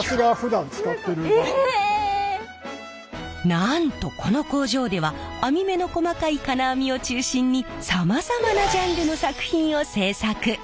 なんとこの工場では網目の細かい金網を中心にさまざまなジャンルの作品を制作！